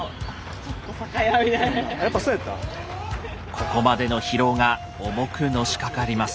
ここまでの疲労が重くのしかかります。